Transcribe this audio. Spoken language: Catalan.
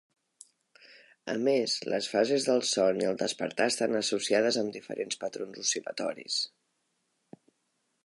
A més, les fases del son i el despertar estan associades amb diferents patrons oscil·latoris.